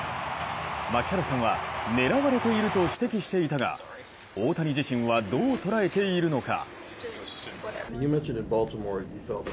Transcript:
槙原さんは狙われていると指摘していたが、大谷自身はどう捉えているのか。